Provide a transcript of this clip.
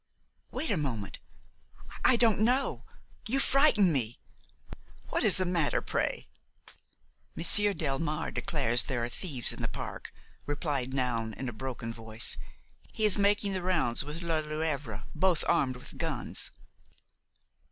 "Wait a moment–I don't know–You frighten me! What is the matter, pray?" "Monsieur Delmare declares that there are thieves in the park," replied Noun in a broken voice. "He is making the rounds with Lelièvre, both armed with guns."